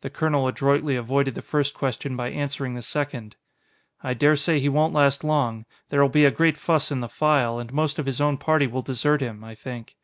The colonel adroitly avoided the first question by answering the second. "I dare say he won't last long. There'll be a great fuss in the File, and most of his own party will desert him I think.